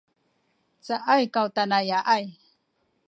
cacay ku tanaya’ay